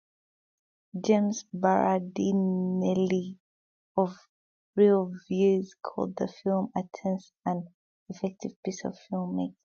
James Berardinelli of ReelViews called the film "a tense and effective piece of filmmaking".